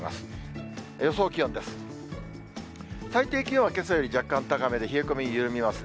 最低気温はけさより若干高めで、冷え込み緩みますね。